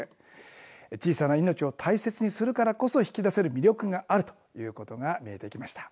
小さな命を大切にするからこそ引き出せる魅力があるということが見えてきました。